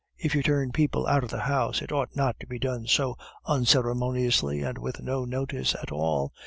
If you turn people out of the house, it ought not to be done so unceremoniously and with no notice at all.